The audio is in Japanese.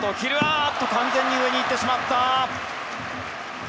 完全に上に行ってしまった。